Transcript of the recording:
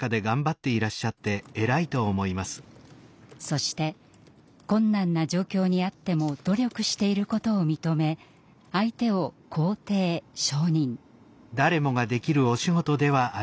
そして困難な状況にあっても努力していることを認め相手を肯定承認。